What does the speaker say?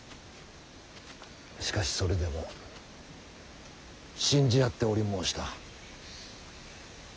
しかしそれでも信じ合っており申した。